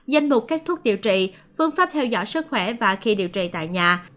danh mục các thuốc điều trị phương pháp theo dõi sức khỏe và khi điều trị tại nhà